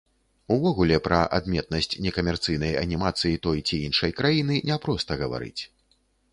Увогуле, пра адметнасць некамерцыйнай анімацыі той ці іншай краіны няпроста гаварыць.